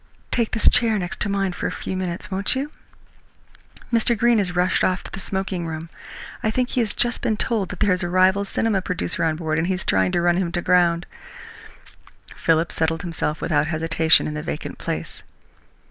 Take this chair next mine for a few minutes, won't you? Mr. Greene has rushed off to the smoking room. I think he has just been told that there is a rival cinema producer on board, and he is trying to run him to ground." Philip settled himself without hesitation in the vacant place.